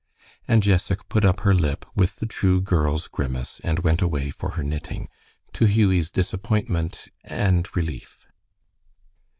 And Jessac put up her lip with the true girl's grimace and went away for her knitting, to Hughie's disappointment and relief.